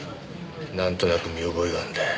なんとなく見覚えがあんだよ。